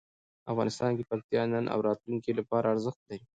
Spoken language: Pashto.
افغانستان کې پکتیا د نن او راتلونکي لپاره ارزښت لري.